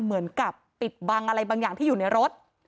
เหมือนกับปิดบังอะไรบางอย่างที่อยู่ในรถ